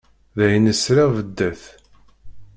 D ayen i sriɣ beddat.